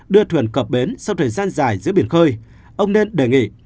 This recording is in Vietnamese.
đưa thuyền cập bến sau thời gian dài giữa biển khơi ông nên đề nghị